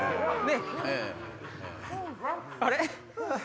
あれ？